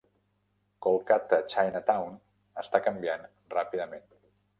Kolkata Chinatown està canviant ràpidament.